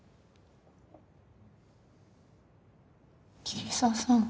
桐沢さん。